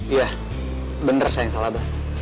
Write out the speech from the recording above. iya bener sayang salah abah